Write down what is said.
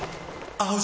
合う！！